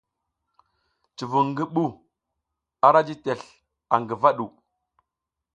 Cuvung ngi ɓuh ara ji tesl aƞ ngəva ɗu.